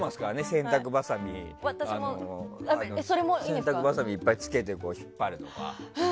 洗濯ばさみをいっぱいつけて引っ張るとか。